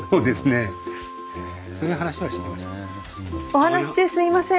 お話し中すいません。